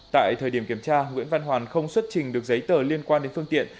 tại thời điểm kiểm tra nguyễn văn hoàn không xuất trình được giấy tờ liên quan đến phương tiện